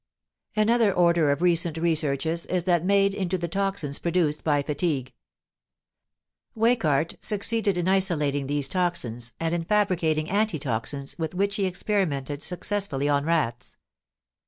_). Another order of recent researches is that made into the toxines produced by fatigue; Weichardt succeeded in isolating these toxines, and in fabricating anti toxines with which he experimented successfully on rats.